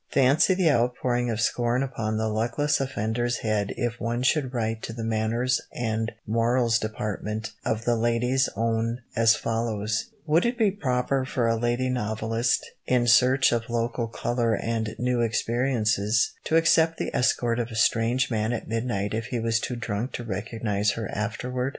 Fancy the outpouring of scorn upon the luckless offender's head if one should write to the Manners and Morals Department of the Ladies' Own as follows: "Would it be proper for a lady novelist, in search of local colour and new experiences, to accept the escort of a strange man at midnight if he was too drunk to recognise her afterward?"